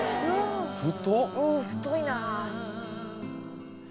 うん太いなあ！